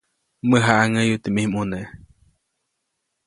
Mäjaʼaŋʼäyuʼa teʼ mij ʼmuneʼ.